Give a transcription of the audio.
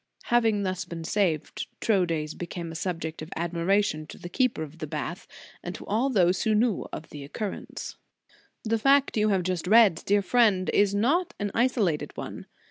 Having thus been saved, Troades became a subject of admiration to the keeper of the bath, and to all those who knew of the oc currence."* The fact you have just read, dear friend, is not an isolated one.